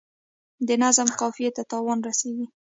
د نظم قافیې ته تاوان رسیږي.